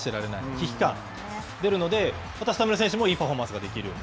危機感が出るので、またスタメンの選手もいいパフォーマンスができる。